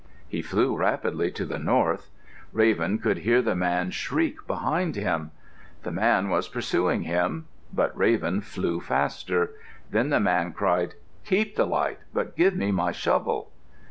He flew rapidly to the north. Raven could hear the man shriek behind him. The man was pursuing him. But Raven flew faster. Then the man cried, "Keep the light; but give me my shovel."